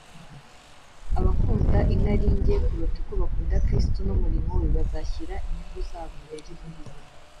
Abakunda inarinjye kuruta uko bakunda Kristo n’umurimo we bazashyira inyungu zabo imbere